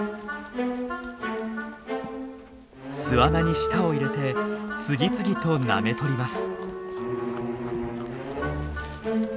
巣穴に舌を入れて次々となめとります。